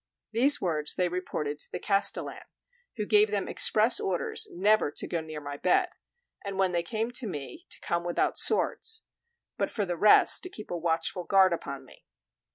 These words they reported to the castellan, who gave them express orders never to go near my bed, and when they came to me, to come without swords; but for the rest to keep a watchful guard upon me.